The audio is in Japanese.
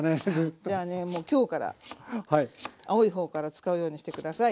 じゃあねもう今日から青い方から使うようにして下さい。